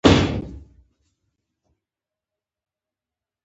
ټوله ملامتي پر حکومت اچوله.